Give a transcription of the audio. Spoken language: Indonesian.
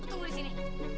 tunggu di sini